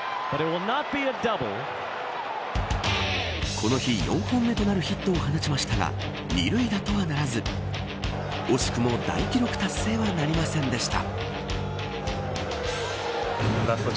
この日４本目となるヒットを放ちましたが二塁打とはならず惜しくも大記録達成とはなりませんでした。